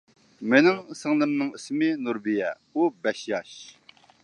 مېنىڭ سىڭلىمنىڭ ئىسمى نۇربىيە، ئۇ بەش ياش.